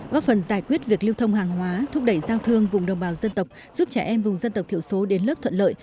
góp phần giải quyết việc lưu thông hàng hóa thúc đẩy giao thương vùng đồng bào dân tộc giúp trẻ em vùng dân tộc thiểu số đến lớp thuận lợi